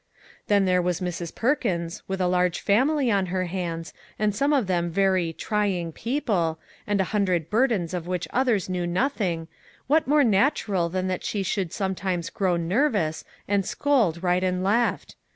Then there was Mrs. Perkins, with a large family on her hands, and some of them very "trying" people, and a hundred burdens of which others knew nothing, what more natural than that she should sometimes grow " nerv ous" and scold right and left?